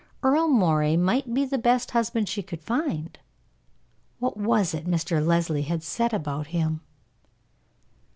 Earle Moray might be the best husband she could find. What was it Mr. Leslie had said about him?